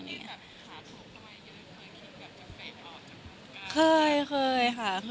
ช่วงนี้แบบขาดโทษตระวัยเยอะค่อยคิดแบบจะไปออกจากงาน